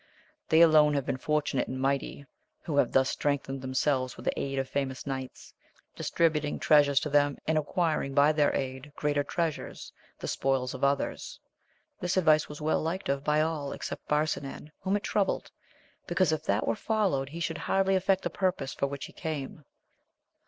They alone have been fortunate and mighty who have thus strengthened themselves with the aid of famous knights, distributing treasures to them, and acquiring by their aid greater treasures, the spoils of others. This advice was well liked of by all, except Barsinan, whom it troubled, because if that were followed he should hardly effect the purpose for which he came.